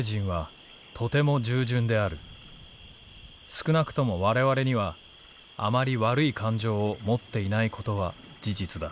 「少なくとも我々にはあまり悪い感情を持っていないことは事実だ」。